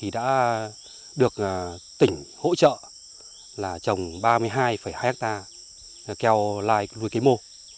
đã được tỉnh hỗ trợ trồng ba mươi hai hai hectare keo lai nuôi cây mô